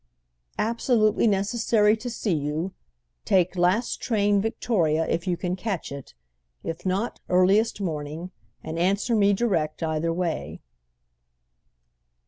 "Absolutely necessary to see you. Take last train Victoria if you can catch it. If not, earliest morning, and answer me direct either way."